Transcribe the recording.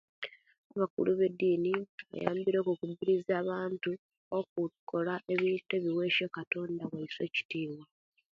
Abakulu ba edini bayambire okukubirizia abantu okukola ebintu ebiwesia katonda waisu ekitiwa